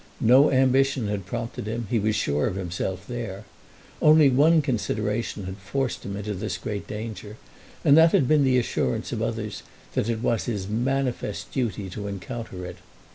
No ambition had prompted him. He was sure of himself there. One only consideration had forced him into this great danger, and that had been the assurance of others that it was his manifest duty to encounter it.